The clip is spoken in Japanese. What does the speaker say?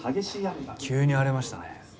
急に荒れましたね。